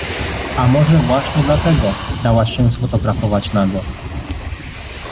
A właśnie może dlatego? Dałaś się sfotografować nago.